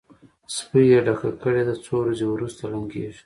سپۍ یې ډکه کړې ده؛ څو ورځې روسته لنګېږي.